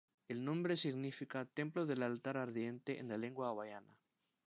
El nombre significa "templo del altar ardiente" en la lengua hawaiana.